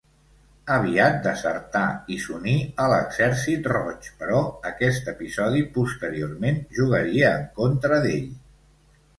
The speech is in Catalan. Aviat desertà i s'uní a l'Exèrcit Roig, però aquest episodi posteriorment jugaria en contra d'ell.